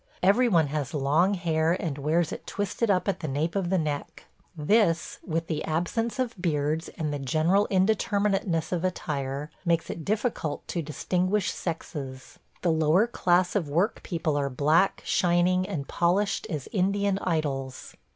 Every one has long hair and wears it twisted up at the nape of the neck; this, with the absence of beards and the general indeterminateness of attire, makes it difficult to distinguish sexes. The lower class of work people are black, shining, and polished as Indian idols.